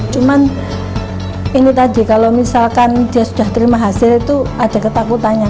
cuman ini tadi kalau misalkan dia sudah terima hasil itu ada ketakutannya